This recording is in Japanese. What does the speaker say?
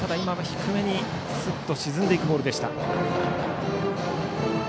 低めにすっと沈んでいくボールでした。